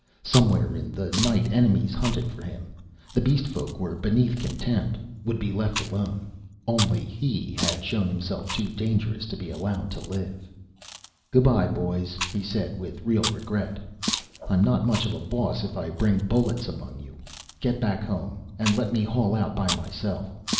Somewhere in the night enemies hunted for him. The beast folk were beneath contempt, would be left alone. Only he had shown himself too dangerous to be allowed life. "Goodbye, boys," he said, with real regret. "I'm not much of a boss if I bring bullets among you. Get back home, and let me haul out by myself.